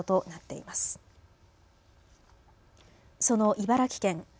その茨城県。